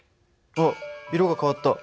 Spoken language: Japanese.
あっ色が変わった。